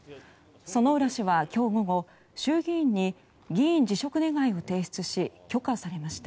薗浦氏は今日午後、衆議院に議員辞職願を提出し許可されました。